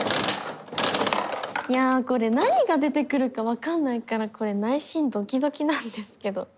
いやこれ何が出てくるか分かんないからこれ内心ドキドキなんですけど。